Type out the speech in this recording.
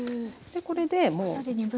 これでもう。